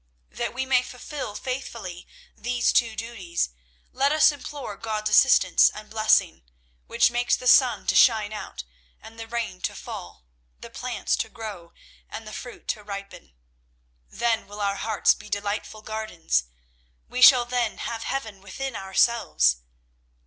That we may fulfil faithfully these two duties, let us implore God's assistance and blessing, which makes the sun to shine out and the rain to fall, the plants to grow, and the fruit to ripen. Then will our hearts be delightful gardens. We shall then have heaven within ourselves."